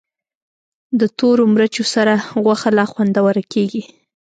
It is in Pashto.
د تورو مرچو سره غوښه لا خوندوره کېږي.